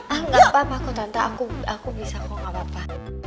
gak apa apa kok tante aku bisa kok gak apa apa